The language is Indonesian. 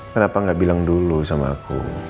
kenapa gak bilang dulu sama aku